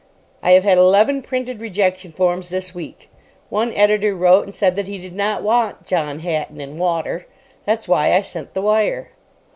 I have had eleven printed rejection forms this week. One editor wrote and said that he did not want John Hatton and water. That's why I sent the wire."